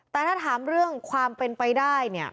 แต่ถ้าถามเรื่องความเป็นไปได้เนี่ย